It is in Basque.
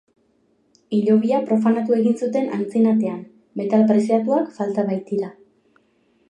Hilobia profanatu egin zuten antzinatean, metal preziatuak falta baitira.